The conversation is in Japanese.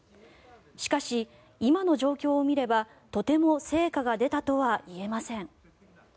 しかし、今の状況を見ればとても成果が出たとはいえません。